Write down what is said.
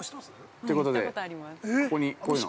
◆ということで、ここに、こういうの。